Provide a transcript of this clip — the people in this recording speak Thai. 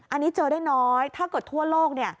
อันนี้เจอได้น้อยถ้าเกิดทั่วโลก